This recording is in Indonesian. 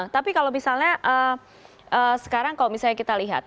tapi kalau misalnya sekarang kalau misalnya kita lihat